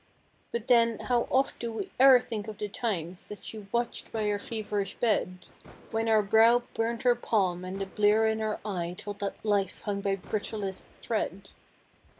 But then! How oft do we e'er think of the times That she watched by our feverish bed. When our brow burned her palm and the blear in our eye Told that life hung by brittlest thread!